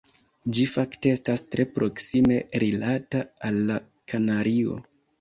Ĝi fakte estas tre proksime rilata al la Kanario.